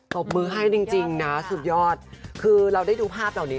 บมือให้จริงนะสุดยอดคือเราได้ดูภาพเหล่านี้